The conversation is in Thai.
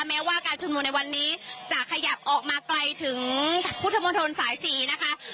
แม้ว่าการชุมนุมในวันนี้จะขยับออกมาไกลถึงพุทธมนตรสาย๔นะคะ